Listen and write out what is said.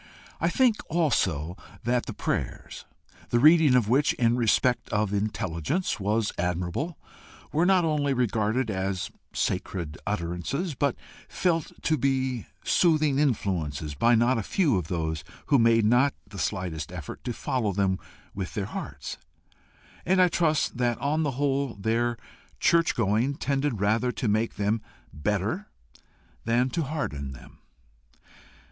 I think also that the prayers, the reading of which, in respect of intelligence, was admirable, were not only regarded as sacred utterances, but felt to be soothing influences by not a few of those who made not the slightest effort to follow them with their hearts; and I trust that on the whole their church going tended rather to make them better than to harden them.